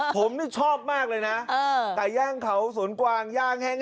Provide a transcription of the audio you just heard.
ผมนี่ชอบมากเลยนะไก่ย่างเขาสวนกวางย่างแห้ง